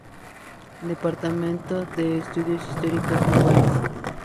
Departamento de Estudios Históricos Navales.